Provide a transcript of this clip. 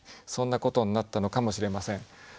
そんなことになったのかもしれません。